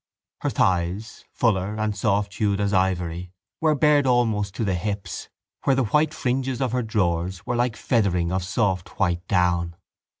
Her thighs, fuller and softhued as ivory, were bared almost to the hips, where the white fringes of her drawers were like feathering of soft white down.